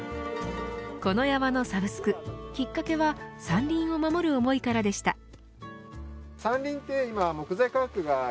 この山のサブスクきっかけは山林を守る思いからでした。